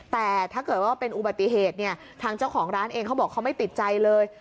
แต่ถ้าเกิดว่าเป็นอุบัติเหตุเนี่ยทางเจ้าของร้านเองเขาบอกเขาไม่ติดใจเลย